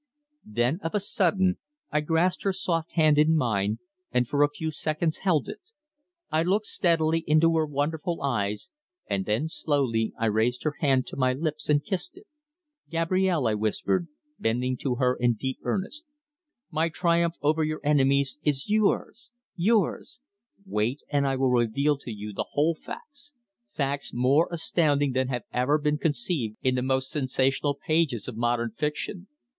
Then, of a sudden, I grasped her soft hand in mine and for a few seconds held it. I looked steadily into her wonderful eyes, and then slowly I raised her hand to my lips and kissed it. "Gabrielle," I whispered, bending to her in deep earnestness. "My triumph over your enemies is yours yours! Wait, and I will reveal to you the whole facts facts more astounding than have ever been conceived in the most sensational pages of modern fiction."